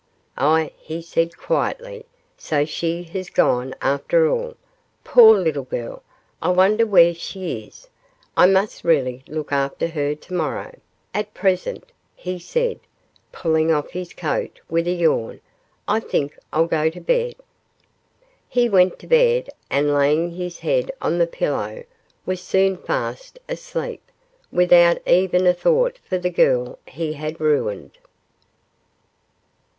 'Ah!' he said, quietly, 'so she has gone, after all. Poor little girl, I wonder where she is. I must really look after her to morrow; at present,' he said, pulling off his coat, with a yawn, 'I think I'll go to bed.' He went to bed, and laying his head on the pillow was soon fast asleep, without even a thought for the girl he had ruined.